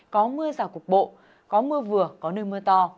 có mưa rào cục bộ có mưa vừa có nơi mưa to